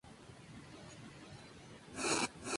Fijó la capital del Valiato en Córdoba.